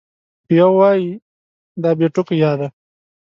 یو وای دا بې ټکو یا ده